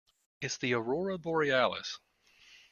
It's the aurora borealis.